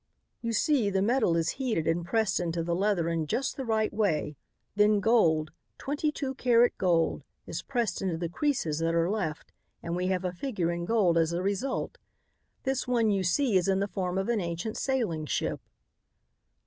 "You see, the metal is heated and pressed into the leather in just the right way, then gold, twenty two carat gold, is pressed into the creases that are left and we have a figure in gold as a result. This one you see is in the form of an ancient sailing ship."